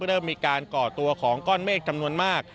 เริ่มมีการก่อตัวของก้อนเมฆจำนวนมาก